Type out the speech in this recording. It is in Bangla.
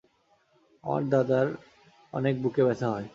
আমার দাদার অনেক বুকে ব্যথা হয়।